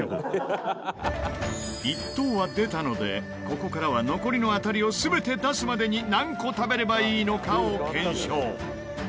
１等は出たのでここからは残りの当たりを全て出すまでに何個食べればいいのかを検証。